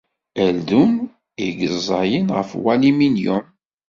Aldun i yeẓẓayen ɣef waliminyum.